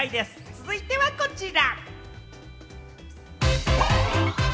続いてはこちら。